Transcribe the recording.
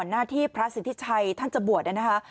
ก่อนหน้าที่พระสิทธิไชยท่านจะบวชน์อาณาฮะ